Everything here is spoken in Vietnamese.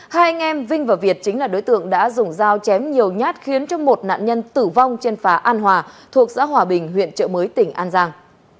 hai anh em vinh và việt chính là đối tượng đã dùng dao chém nhiều nhát khiến cho một nạn nhân tử vong trên phà an hòa thuộc xã hòa bình huyện trợ mới tỉnh an giang